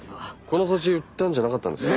この土地売ったんじゃなかったんですか？